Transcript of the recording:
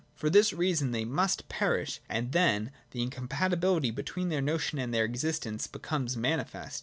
For this reason they must perish, and then the incompatibility between their notion and their existence becomes manifest.